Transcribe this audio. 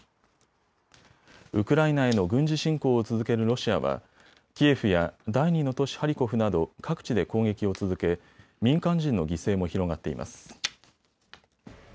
ウクライナへの軍事侵攻を続けるロシアはキエフや第２の都市ハリコフなど各地で攻撃を続け民間人の犠牲も広がっています。